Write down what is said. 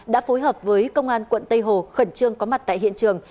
đã phối hợp với công an quận tây hồ khẩn trương có mặt tại hiện trường